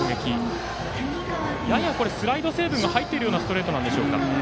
スライド成分が入っているようなストレートなんでしょうか。